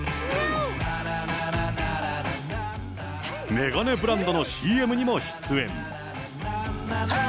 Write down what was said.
眼鏡ブランドのＣＭにも出演。